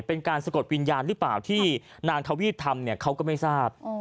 เป็นการสะกดวิญญาณหรือเปล่าที่นางทวีปทำเนี่ยเขาก็ไม่ทราบ